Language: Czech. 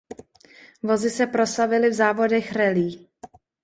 Vozy se proslavily v závodech rallye.